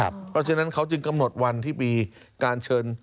เพราะฉะนั้นเขาจึงกำหนดวันที่มีการเชิญ